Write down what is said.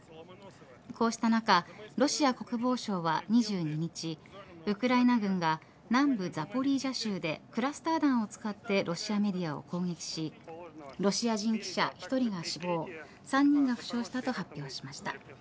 こうした中ロシア国防省は２２日ウクライナ軍が南部ザポリージャ州でクラスター弾を使ってロシアメディアを攻撃しロシア人記者１人が死亡３人が負傷したと発表しました。